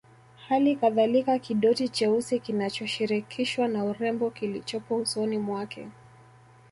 Halikadhalika kidoti cheusi kinachoshirikishwa na urembo kilichopo usoni mwake